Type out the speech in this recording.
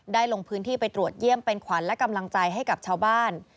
ลงพื้นที่ไปตรวจเยี่ยมเป็นขวัญและกำลังใจให้กับชาวบ้าน